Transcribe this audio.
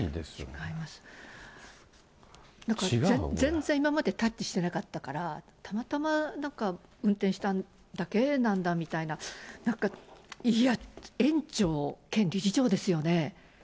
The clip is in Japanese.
なんか全然今までタッチしてなかったから、たまたまなんか運転しただけなんだみたいな、なんか、いや、園長兼理事長ですよね？